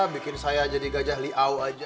bikin saya jadi gajah liau aja